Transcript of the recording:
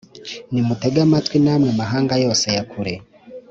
Nimutege amatwi, namwe mahanga yose ya kure!